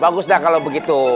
bagus dah kalau begitu